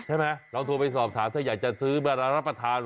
ลองโทรไปสอบถามถ้าอยากจะซื้อมารับประทาน